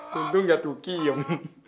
tentu gak tukium